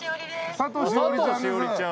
佐藤栞里ちゃん。